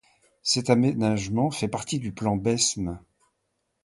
Cet aménagement fait partie du plan Besme.